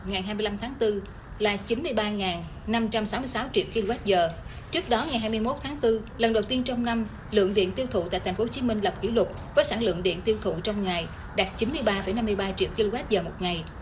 ngày hai mươi năm tháng bốn là chín mươi ba năm trăm sáu mươi sáu triệu kwh trước đó ngày hai mươi một tháng bốn lần đầu tiên trong năm lượng điện tiêu thụ tại tp hcm lập kỷ lục với sản lượng điện tiêu thụ trong ngày đạt chín mươi ba năm mươi ba triệu kwh một ngày